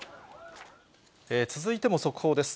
続いても速報です。